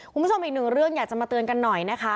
คุณผู้ชมอีกหนึ่งเรื่องอยากจะมาเตือนกันหน่อยนะคะ